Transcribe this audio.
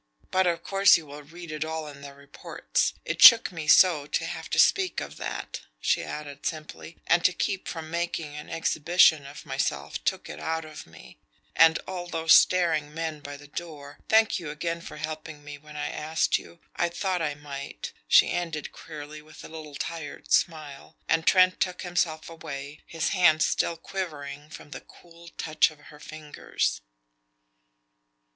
"But of course you will read it all in the reports. It shook me so to have to speak of that," she added simply, "and to keep from making an exhibition of myself took it out of me. And all those staring men by the door! Thank you again for helping me when I asked you.... I thought I might," she ended queerly, with a little tired smile; and Trent took himself away, his hand still quivering from the cool touch of her fingers.